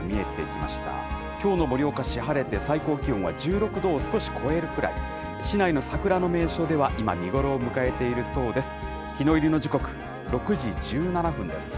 きょうの盛岡市、晴れて、最高気温は１６度を少し超えるくらい、市内の桜の名所では、今、見頃を迎えているそうです。